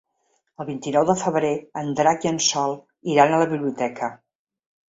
El vint-i-nou de febrer en Drac i en Sol iran a la biblioteca.